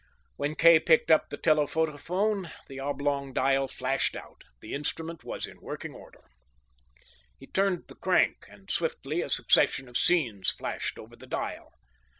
When Kay picked up the telephotophone, the oblong dial flashed out. The instrument was in working order. He turned the crank, and swiftly a succession of scenes flashed over the dial.